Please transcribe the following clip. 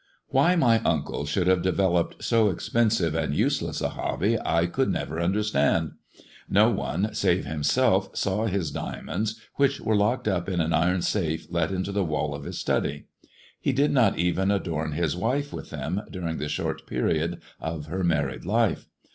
Why my uncle should have developed so expensive and useless a hobby I could never understand. No one, save himself, saw his diamonds, which were locked up in an iron safe let into the wall of his study : he did not even adorn his wife with them during the short period of her married life.